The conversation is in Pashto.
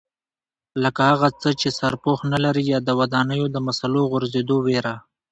لکه هغه څاه چې سرپوښ نه لري یا د ودانیو د مسالو غورځېدو وېره.